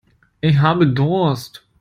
Ich habe Durst.